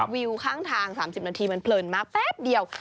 วิวข้างทาง๓๐นาทีมันเพลินมากแป๊บเดียว